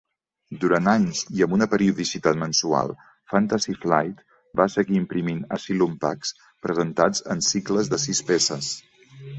Durant anys i amb una periodicitat mensual, Fantasy Flight va seguir imprimint Asylum Packs, presentats en cicles de sis peces.